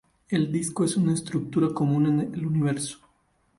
El disco es una estructura común en el universo.